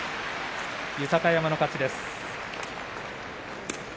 豊山の勝ちです。